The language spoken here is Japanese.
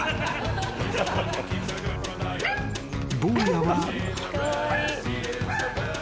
［坊やは］